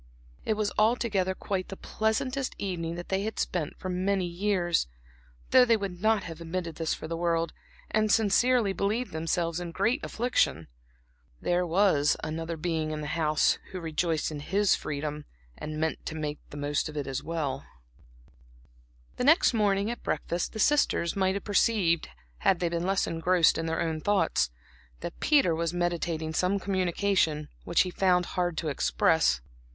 It was altogether quite the pleasantest evening that they had spent for many years, though they would not have admitted this for the world, and sincerely believed themselves in great affliction. There was another being in the house who rejoiced in his freedom and meant to make the most of it. The next morning at breakfast the sisters might have perceived had they been less engrossed in their own thoughts, that Peter was meditating some communication, which he found it hard to express.